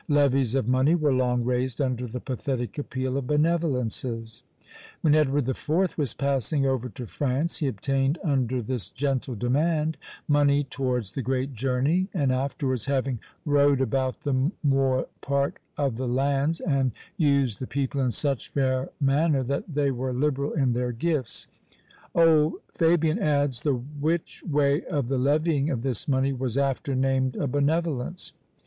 Levies of money were long raised under the pathetic appeal of benevolences. When Edward IV. was passing over to France, he obtained, under this gentle demand, money towards "the great journey," and afterwards having "rode about the more part of the lands, and used the people in such fair manner, that they were liberal in their gifts;" old Fabian adds, "the which way of the levying of this money was after named a benevolence."